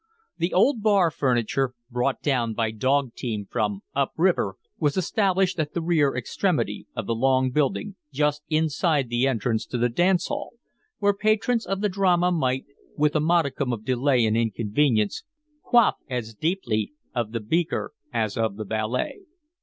The old bar furniture, brought down by dog team from "Up River," was established at the rear extremity of the long building, just inside the entrance to the dancehall, where patrons of the drama might, with a modicum of delay and inconvenience, quaff as deeply of the beaker as of the ballet.